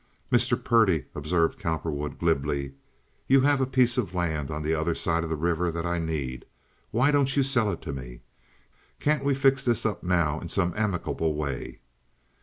"Mr. Purdy," observed Cowperwood, glibly, "you have a piece of land on the other side of the river that I need. Why don't you sell it to me? Can't we fix this up now in some amicable way?"